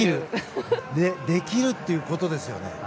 できるということですね。